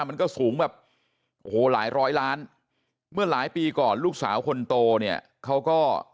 มันก็สูงแบบโอ้โหหลายร้อยล้านเมื่อหลายปีก่อนลูกสาวคนโตเนี่ยเขาก็